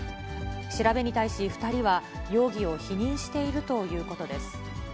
調べに対し２人は容疑を否認しているということです。